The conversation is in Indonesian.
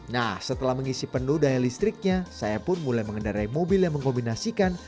nah setelah mengisi penuh daya listriknya saya pun mulai mengendarai mobil yang mengkombinasikan